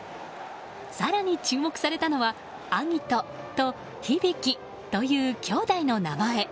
更に、注目されたのは晶音と響という兄弟の名前。